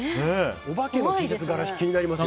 お化けのＴシャツの柄気になりますね。